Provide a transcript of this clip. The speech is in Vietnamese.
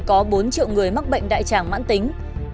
có bốn triệu người mắc bệnh đại tràng mãn tính